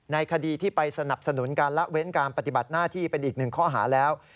ในคดีที่ไปสนับสนุนการละเว้นการปฏิบัติหน้าที่เป็นอีกหนึ่งข้อหาแล้ว